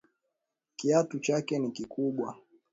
Kiatu chake ni kikubwa